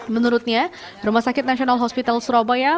menurutnya rumah sakit nasional hospital surabaya